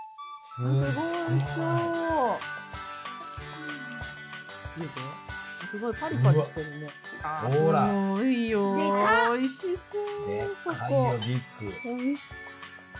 すごいよおいしそう。